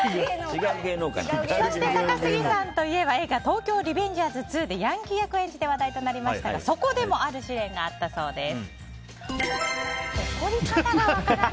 そして高杉さんといえば「東京リベンジャーズ２」でヤンキー役を演じて話題になりましたが、そこでもある試練があったそうです。